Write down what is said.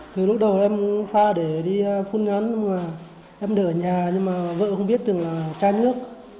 từ lúc đầu em pha để đi phun nhắn em đợi ở nhà nhưng mà vợ không biết từng là chai nước